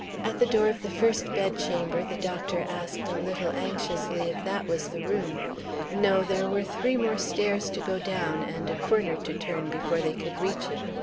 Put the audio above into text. At the door of the first bedchamber the doctor asked a little anxiously if that was the room. No; there were three more stairs to go down, and a corner to turn, before they could reach it.